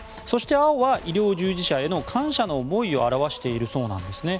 そして、青は医療従事者への感謝の思いを表しているそうです。